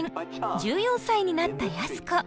１４歳になった安子。